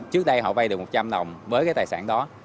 trước đây họ vay được một trăm linh đồng với cái tài sản đó